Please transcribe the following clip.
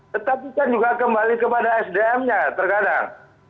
tetapi kan juga kembali kepada sdm nya terkadang